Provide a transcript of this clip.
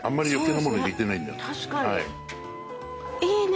いいね。